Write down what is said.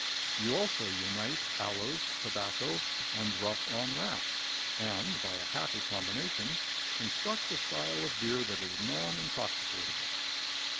You also unite aloes, tobacco and Rough on Rats, and, by a happy combination, construct a style of beer that is non intoxicating.